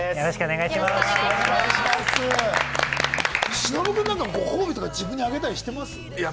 忍君、何かご褒美、自分にあげたりしてますか？